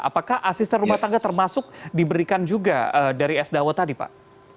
apakah asisten rumah tangga termasuk diberikan juga dari sdawo tadi pak